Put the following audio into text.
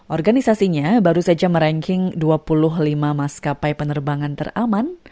organisasinya baru saja meranking dua puluh lima maskapai penerbangan teraman